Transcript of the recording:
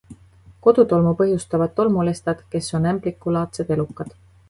Kodutolmu põhjustavad tolmulestad, kes on ämblikulaadsed elukad.